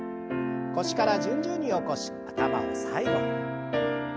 腰から順々に起こし頭を最後に。